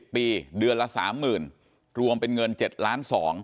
ปีเดือนละ๓๐๐๐รวมเป็นเงิน๗ล้าน๒